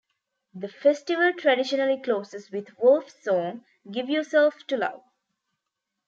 The festival traditionally closes with Wolf's song, Give Yourself to Love.